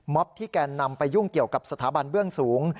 ที่แกนนำไปยุ่งเกี่ยวกับสถาบันเบื้องสูง